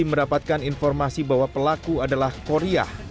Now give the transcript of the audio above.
menempatkan informasi bahwa pelaku adalah koryah